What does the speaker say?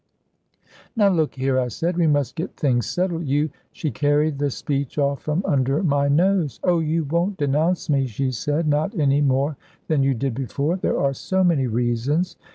"Now look here," I said, "we must get things settled. You ..." She carried the speech off from under my nose. "Oh, you won't denounce me," she said, "not any more than you did before; there are so many reasons.